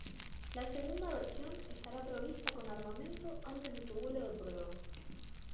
La segunda versión estará provista con armamento antes de su vuelo de prueba.